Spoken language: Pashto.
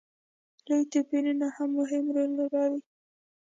لوی توپیرونه هم مهم رول لوبوي.